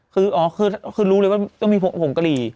คืออ๋อคือคือรู้ดีว่าจะมีผงกะหรี่